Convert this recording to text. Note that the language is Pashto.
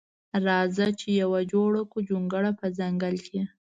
راخه چی یوه جوړه کړو جونګړه په ځنګل کی.